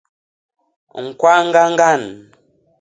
ñkwañga ñgan.